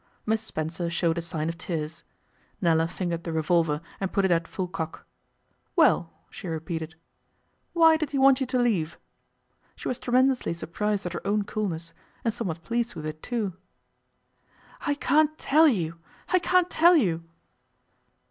Miss Spencer showed a sign of tears. Nella fingered the revolver, and put it at full cock. 'Well,' she repeated, 'why did he want you to leave?' She was tremendously surprised at her own coolness, and somewhat pleased with it, too. 'I can't tell you, I can't tell you.